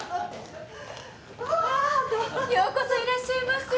ようこそいらっしゃいませ。